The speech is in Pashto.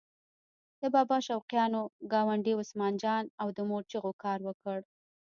د بابا شوقیانو ګاونډي عثمان جان او د مور چغو کار وکړ.